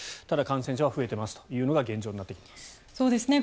ただ、感染者は増えていますというのが現状です。